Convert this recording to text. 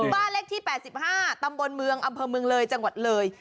บ้านเลขที่๘๕ตำบลเมืองอำเภอเมืองเลยจังหวัดเลย